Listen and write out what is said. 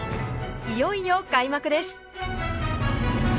いよいよ開幕です！